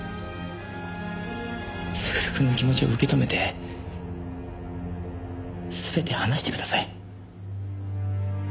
優くんの気持ちを受け止めて全て話してください。